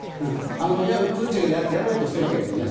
プーチンはやろうとしてるわけですよね。